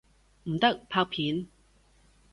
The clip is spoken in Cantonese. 唔得，拍片！